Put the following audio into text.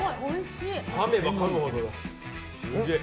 かめばかむほど、すげえ。